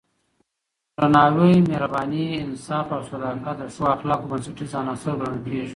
درناوی، مهرباني، انصاف او صداقت د ښو اخلاقو بنسټیز عناصر ګڼل کېږي.